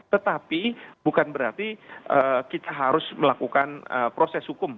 tetapi bukan berarti kita harus melakukan proses hukum